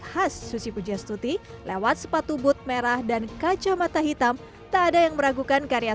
oleh kata susi pugias tuti lewat sepatu but merah dan kacamata hitam tak ada yang meragukan karya